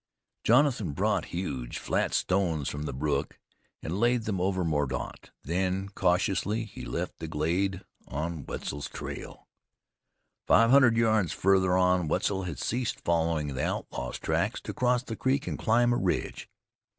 Jonathan brought huge, flat stones from the brook, and laid them over Mordaunt; then, cautiously he left the glade on Wetzel's trail. Five hundred yards farther on Wetzel had ceased following the outlaw's tracks to cross the creek and climb a ridge.